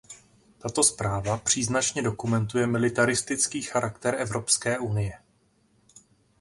Tato zpráva příznačně dokumentuje militaristický charakter Evropské unie.